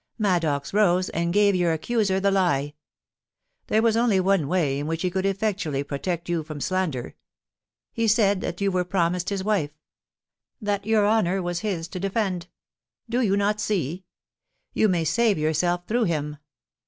Maddox rose and gave your accuser the lie. There was only one way in which he could effectually pro tect you from slander. He said that you were his promised wife — that your honour was his to defend. Do you not see? you may save yourself through him.